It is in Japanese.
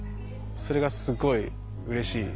それがすっごいうれしい。